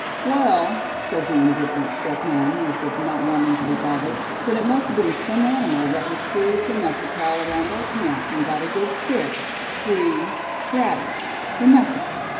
"Well," said the indifferent Step Hen, as if not wanting to be bothered, "then it must have been some animal that was curious enough to prowl around our camp, and got a good scare, free, gratis, for nothing."